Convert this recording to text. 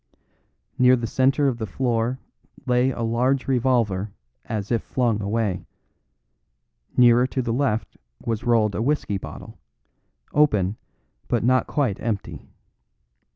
Near the centre of the floor lay a large revolver as if flung away; nearer to the left was rolled a whisky bottle, open but not quite empty.